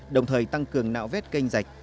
đồng thời tăng cường nạo vét canh rạch